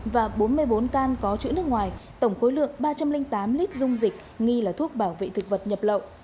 và bốn mươi bốn can có chữ nước ngoài tổng khối lượng ba trăm linh tám lít dung dịch nghi là thuốc bảo vệ thực vật nhập lậu